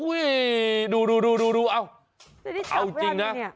โอ้วว่าดูเอาเข้าจริงนะ